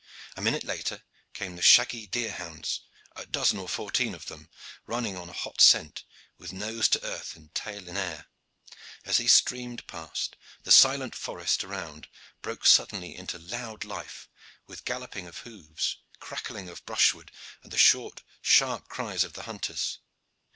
A minute later came the shaggy deer hounds, a dozen or fourteen of them, running on a hot scent, with nose to earth and tail in air. As they streamed past the silent forest around broke suddenly into loud life, with galloping of hoofs, crackling of brushwood, and the short, sharp cries of the hunters.